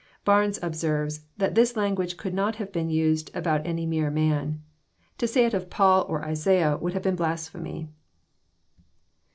Barnes observes, that this language could not have been used about any mere man. To say it of Paul or Isaiah would have been blasphemy.